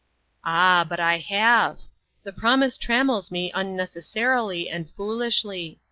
263 "Ah! but I have. The promise trammels me unnecessarily and foolishly.